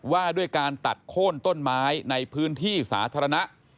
ว่าด้วยการตัดโค้นต้นไม้ในพื้นที่สาธารณะ